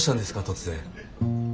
突然。